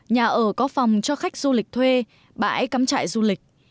nhà ở có phòng cho khách du lịch thuê bãi cắm trại du lịch